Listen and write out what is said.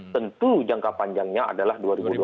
tentu jangka panjangnya adalah dua ribu dua puluh empat